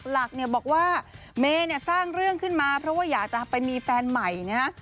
หลักบอกว่าเม้สร้างเรื่องขึ้นมาเพราะว่าอยากจะไปมีแฟนใหม่นะฮะ